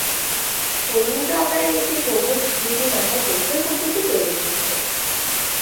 পরিমিত আকারের একটি সবুজ ঝুঁটি মাথার পেছন পর্যন্ত চলে গিয়েছে।